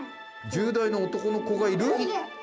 「１０代の男の子」がいる？